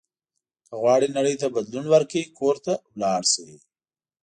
که غواړئ نړۍ ته بدلون ورکړئ کور ته لاړ شئ.